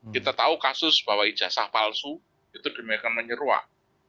kita tahu kasus bahwa ijazah palsu itu demikian menyeruak